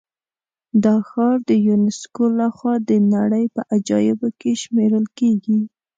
دا ښار د یونسکو له خوا د نړۍ په عجایبو کې شمېرل کېږي.